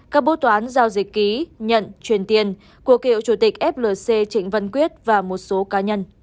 các bố toán giao dịch ký nhận truyền tiền của cựu chủ tịch flc trịnh văn quyết và một số cá nhân